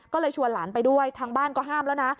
ก็เลยชวนหลานไปด้วยทางบ้านก็ห้ามแล้วนะ